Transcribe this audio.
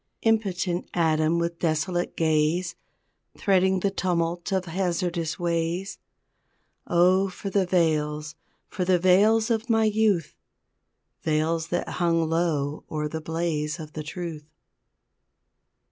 Impotent atom with desolate gaze Threading the tumult of hazardous ways Oh, for the veils, for the veils of my youth Veils that hung low o'er the blaze of the truth!